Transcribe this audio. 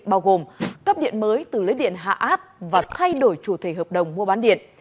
bao gồm cấp điện mới từ lưới điện hạ áp và thay đổi chủ thể hợp đồng mua bán điện